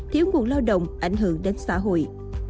thiếu nguồn lao động ảnh hưởng đến xã hội